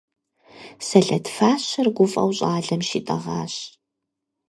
Сэлэт фащэр гуфӀэу щӀалэм щитӀэгъащ.